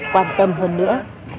quan tâm hơn nữa